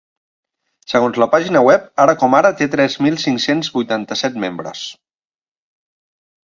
Segons la pàgina web, ara com ara té tres mil cinc-cents vuitanta-set membres.